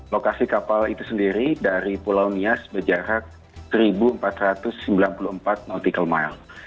lokasi kapal itu sendiri dari pulau nias berjarak seribu empat ratus sembilan puluh empat nautical mile